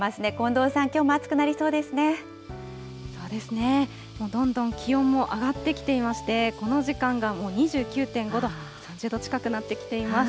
どんどん気温も上がってきていまして、この時間がもう２９．５度、３０度近くなってきています。